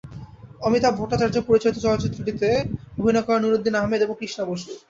অমিতাভ ভট্টাচার্য পরিচালিত চলচ্চিত্রটিতে অভিনয় করেন নূরউদ্দিন আহমেদ এবং কৃষ্ণা বসু।